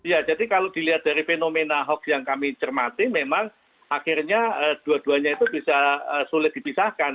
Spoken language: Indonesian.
ya jadi kalau dilihat dari fenomena hoax yang kami cermati memang akhirnya dua duanya itu bisa sulit dipisahkan